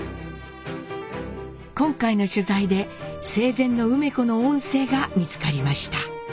今回の取材で生前の梅子の音声が見つかりました。